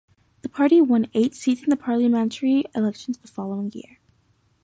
The party won eight seats in the parliamentary elections the following year.